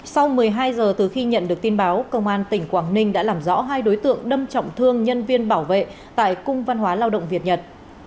sau một mươi hai giờ từ khi nhận được tin báo công an tỉnh quảng ninh đã làm rõ hai đối tượng đâm trọng thương nhân viên bảo vệ tại cung văn hóa lao động việt nhật